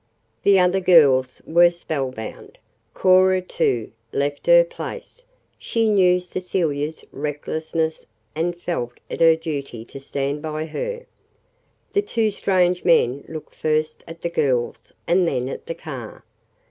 The other girls were spellbound. Cora, too, left her place she knew Cecilia's recklessness and felt it her duty to stand by her. The two strange men looked first at the girls and then at the car.